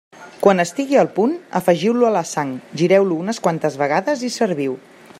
Quan estigui al punt, afegiu-lo a la sang, gireu-lo unes quantes vegades i serviu.